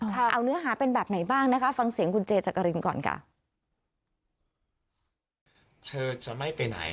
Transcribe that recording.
เอาเนื้อหาเป็นแบบไหนบ้างนะคะฟังเสียงคุณเจจักรินก่อนค่ะ